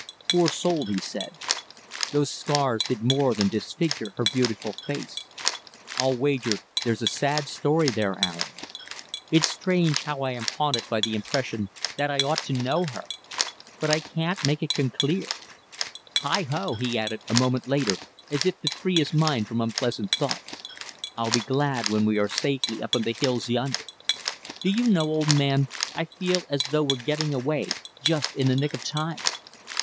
"Poor soul," he said. "Those scars did more than disfigure her beautiful face. I'll wager there's a sad story there, Aaron. It's strange how I am haunted by the impression that I ought to know her. But I can't make it come clear. Heigho," he added a moment later as if to free his mind from unpleasant thoughts, "I'll be glad when we are safely up in the hills yonder. Do you know, old man, I feel as though we're getting away just in the nick of time.